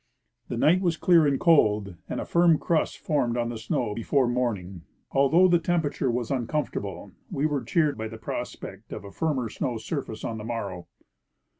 The night was clear and cold, and a firm crust formed on the snow before morning. Although the temperature was uncomfortable, we were cheered by the prospects of a firm snow surface on the morrow.